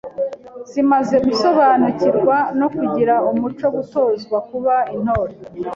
zimaze gusobanukirwa no kugira umuco Gutozwa kuba intore